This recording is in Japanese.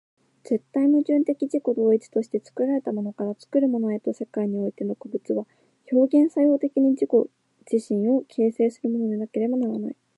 絶対矛盾的自己同一として、作られたものから作るものへという世界においての個物は、表現作用的に自己自身を形成するものでなければならない。